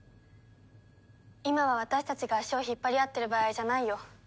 今は私たちが足を引っ張り合ってる場合じゃないよ。